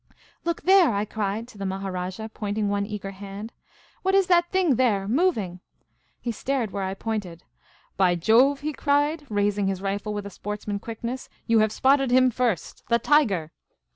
" Look there !" I cried to the Maharajah, pointing one eager hand. " What is that thing there, moving ?" He stared where I pointed. " By Jove," he cried, raising 254 Miss Caylcy's Adventures his rifle with a sportsman's quickness, " you have spotted him first ! The tiger